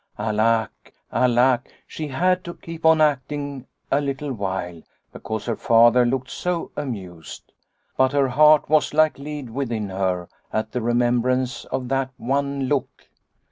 Alack, alack ! She had to keep on acting a little while, because her Father looked so amused. But her heart was like lead within her at the remembrance of that one look.